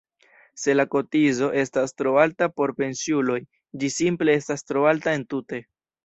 Se la kotizo estas tro alta por pensiuloj, ĝi simple estas tro alta entute.